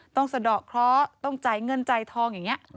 สะดอกเคราะห์ต้องจ่ายเงินจ่ายทองอย่างนี้